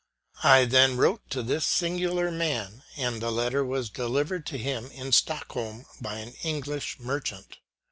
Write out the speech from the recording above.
I then wrote to this singular man, and the letter was delivered to him, in Stockholm, by an English merchant.